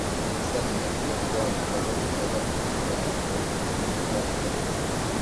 na sasa ni mwalike mwezangu karume sagama katika ya jua haki